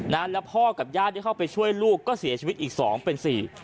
นะแล้วพ่อกับญาติที่เข้าไปช่วยลูกก็เสียชีวิตอีกสองเป็นสี่